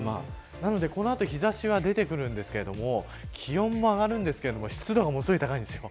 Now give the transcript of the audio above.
なので、この後日差しが出てくるんですけれども気温も上がるんですけど湿度がものすごく高いんです。